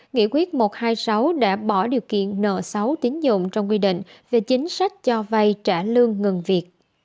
nghị quyết một trăm hai mươi sáu đã bỏ điều kiện nợ xấu tính dụng trong quy định về chính sách cho vay trả lương ngừng việc